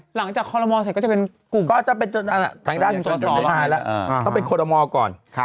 หลังจากคอลโลมอร์เสร็จก็จะเป็นกลุ่มต้องเป็นคอลโลมอก่อน